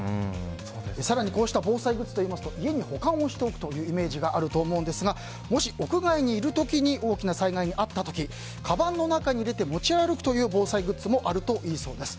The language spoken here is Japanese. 更にこうした防災グッズといいますと家に保管をするイメージがあると思いますがもし屋外にいる時に大きな災害に遭った時カバンの中に入れて持ち歩くという防災グッズもあるというそうです。